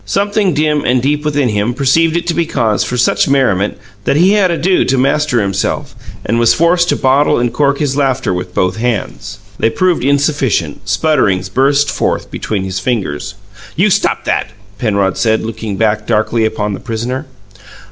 Something dim and deep within him perceived it to be cause for such merriment that he had ado to master himself, and was forced to bottle and cork his laughter with both hands. They proved insufficient; sputterings burst forth between his fingers. "You stop that!" Penrod said, looking back darkly upon the prisoner.